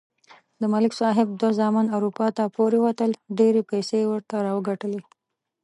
د ملک صاحب دوه زامن اروپا ته پورې وتل. ډېرې پیسې یې ورته راوگټلې.